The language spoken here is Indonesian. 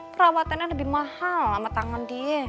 perawatannya lebih mahal sama tangan dia